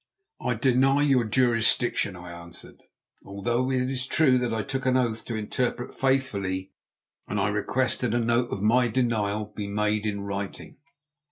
"I deny your jurisdiction," I answered, "although it is true that I took an oath to interpret faithfully, and I request that a note of my denial may be made in writing."